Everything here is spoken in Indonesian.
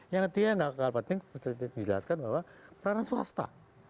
yang penting dijelaskan bahwa peranan swasta